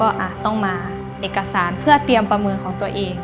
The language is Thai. อาจต้องมาเอกสารเพื่อเตรียมประเมินของตัวเอง